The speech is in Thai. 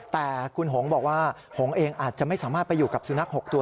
แต่คุณหงบอกว่าหงเองอาจจะไม่สามารถไปอยู่กับสุนัข๖ตัว